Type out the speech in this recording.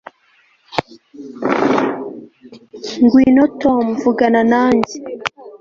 Ngwino Tom Vugana nanjye